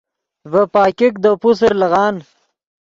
ڤے پاګیک دے پوسر لیغان